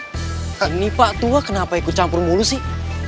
kak ini pak tua kenapa ikut campur mulu sih